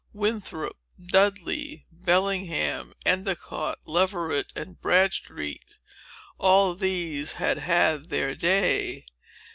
Winthrop, Dudley, Bellingham, Endicott, Leverett, and Bradstreet! All these had had their day.